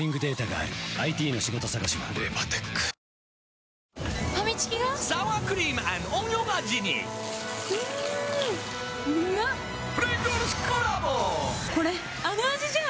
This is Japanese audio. あの味じゃん！